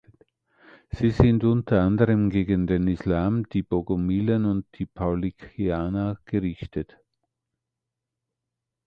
Sie sind unter anderem gegen den Islam, die Bogomilen und die Paulikianer gerichtet.